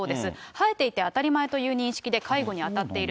生えていて当たり前という認識で介護に当たっている。